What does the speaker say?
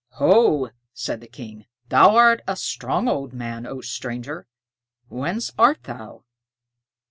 "Ho!" said the King, "thou art a strong old man, O stranger! Whence art thou?"